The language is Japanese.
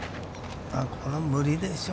これは無理でしょう。